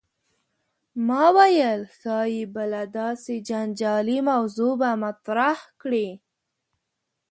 ما ویل ښايي بله داسې جنجالي موضوع به مطرح کړې.